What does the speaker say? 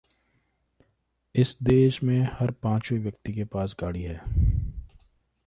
इस देश में हर पाँचवे व्यक्ति के पास गाड़ी है।